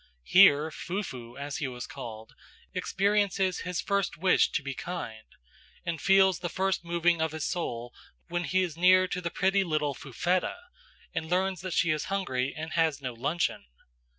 Here "Fufu," as he was called, experiences his first wish to be kind, and feels the first moving of his soul when he is near to the pretty little Fufetta, and learns that she is hungry and has no luncheon.